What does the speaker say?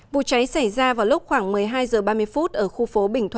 vụ cháy xảy ra vào lúc khoảng một mươi hai h ba mươi phút ở khu phố bình thuận